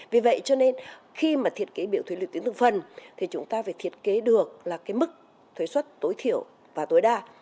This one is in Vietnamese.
vì vậy cho nên khi mà thiết kế biểu thuế dự kiến thực phần thì chúng ta phải thiết kế được là cái mức thuế xuất tối thiểu và tối đa